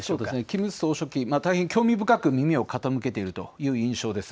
キム総書記、大変興味深く耳を傾けているという印象です。